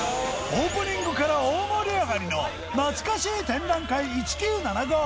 オープニングから大盛り上がりのなつかしー展覧会１９７５